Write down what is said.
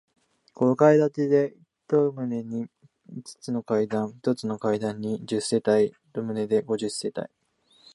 五階建てで、一棟に五つの階段、一つの階段に十世帯、一棟で五十世帯。